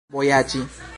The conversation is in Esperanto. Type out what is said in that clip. vojaĝi